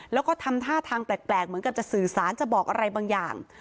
แล้วก็ทำท่าทางแปลกเหมือนกับจะสื่อสารจะบอกอะไรบางอย่าง